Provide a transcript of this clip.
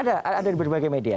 ada di berbagai media